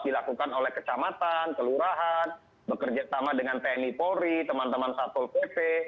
dilakukan oleh kecamatan kelurahan bekerja sama dengan tni polri teman teman satpol pp